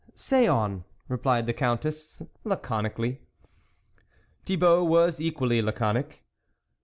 " Say on," replied the Countess, laconi cally. Thibault was equally laconic.